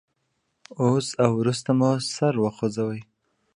اوس او وروسته خپل سر وخوځوئ.